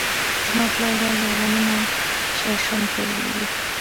زما پلار دا ځل غنم او شړشم کرلي دي .